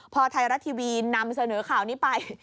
พอไทยรัฐทีวีนำเสนอข่าวนี้ไป